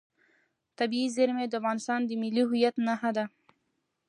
طبیعي زیرمې د افغانستان د ملي هویت نښه ده.